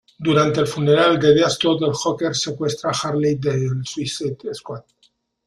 Durante el funeral de Deadshot el Joker secuestra a Harley del Suicide Squad.